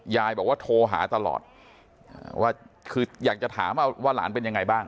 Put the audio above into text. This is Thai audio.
ยายบอกว่าโทรหาตลอดว่าคืออยากจะถามว่าหลานเป็นยังไงบ้าง